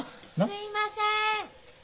・すいません。